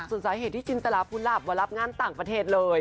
ส่วนสาเหตุที่จินตลาภูหลับมารับงานต่างประเทศเลย